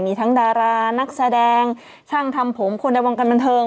มีทั้งดารานักแสดงช่างทำผมคนในวงการบันเทิง